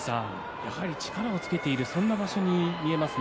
やはり力をつけているそんな場所に見えますね